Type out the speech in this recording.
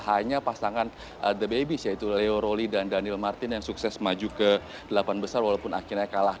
hanya pasangan the babies yaitu leo rolly dan daniel martin yang sukses maju ke delapan besar walaupun akhirnya kalah